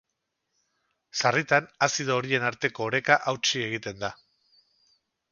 Sarritan, azido horien arteko oreka hautsi egiten da.